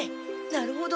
なるほど。